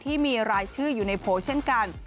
ที่มีรายชื่ออยู่ในโพสต์เช่นกัน